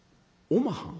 おまはん？